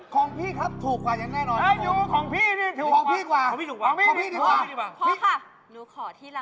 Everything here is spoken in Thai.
ของน่าผสมแสงแดงผสมแสงแดงด้วย